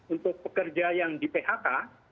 untuk pekerja yang di phk